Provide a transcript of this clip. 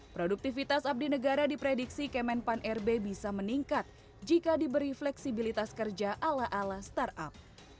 produktivitas abdi negara diprediksi kemenpan rb bisa meningkat jika diberi fleksibilitas kerja ala ala startup